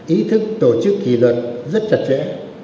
ý thức tổ chức kỷ luật rất chặt chẽ